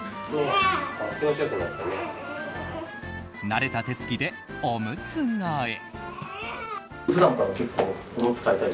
慣れた手つきでオムツ替え。